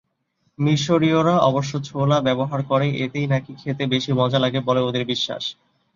মিশরীয়রা অবশ্য ছোলা ব্যবহার করে, এতেই নাকি খেতে বেশি মজা লাগে বলে ওদের বিশ্বাস।